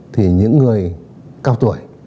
thì những người cao tuổi